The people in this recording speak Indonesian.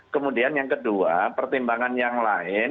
kemudian yang kedua pertimbangan yang lain